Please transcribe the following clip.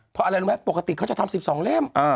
เพราะอะไรรู้ไหมปกติเขาจะทำ๑๒เล่ม